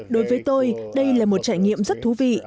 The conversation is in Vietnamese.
đối với tôi đây là một trải nghiệm rất thú vị